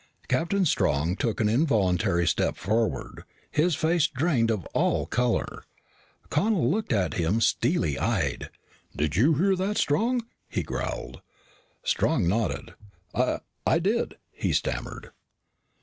Captain Strong took an involuntary step forward, his face drained of all color. Connel looked at him, steely eyed. "Did you hear that, Strong?" he growled. Strong nodded. "I I did," he stammered.